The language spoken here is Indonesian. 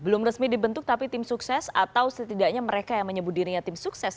belum resmi dibentuk tapi tim sukses atau setidaknya mereka yang menyebut dirinya tim sukses